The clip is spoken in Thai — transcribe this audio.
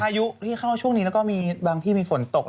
ยุที่เข้าช่วงนี้แล้วก็มีบางที่มีฝนตก